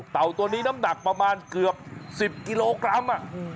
ตัวนี้น้ำหนักประมาณเกือบ๑๐กิโลกรัม